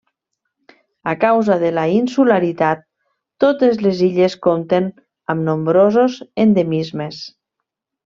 A causa de la insularitat, totes les illes compten amb nombrosos endemismes.